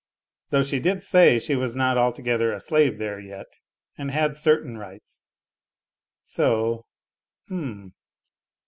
Though she did say she was not altogether a slave there yet, and had certain rights ; so, h'm